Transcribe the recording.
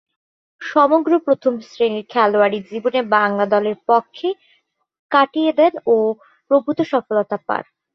সমগ্র প্রথম-শ্রেণীর খেলোয়াড়ি জীবনে বাংলা দলের পক্ষেই কাটিয়ে দেন ও প্রভূত সফলতা পান।